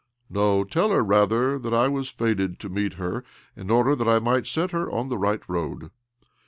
" No, tell her, rather, that I was fated to meet her, in order that I might set her on the right road.